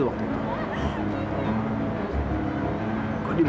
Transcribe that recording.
dia di situ